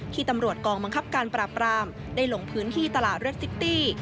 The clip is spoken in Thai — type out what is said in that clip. ที่ตำรวจกองบังคับการปราบรามได้ลงพื้นที่ตลาดเรสซิตี้